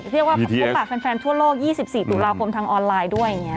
เรียกว่าพบปากแฟนทั่วโลก๒๔ตุลาคมทางออนไลน์ด้วยอย่างนี้